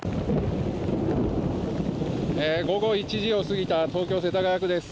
午後１時を過ぎた東京・世田谷区です。